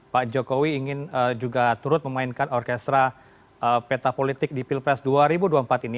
pak jokowi ingin juga turut memainkan orkestra peta politik di pilpres dua ribu dua puluh empat ini